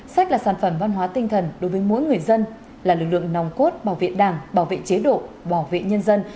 sách là sản phẩm văn hóa tinh thần đối với mỗi người dân là lực lượng nòng cốt bảo vệ đảng bảo vệ chế độ bảo vệ nhân dân